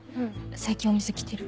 最近お店来てる？